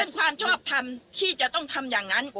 เป็นความชอบทำที่จะต้องทำอย่างนั้น